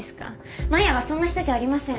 真矢はそんな人じゃありません。